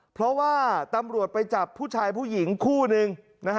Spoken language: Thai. เพราะว่าตำรวจไปจับผู้ชายผู้หญิงคู่นึง